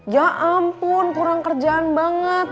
ya ampun kurang kerjaan banget